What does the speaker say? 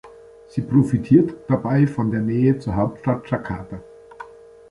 Sie profitiert dabei von der Nähe zur Hauptstadt Jakarta.